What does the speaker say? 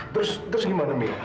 terus terus gimana mila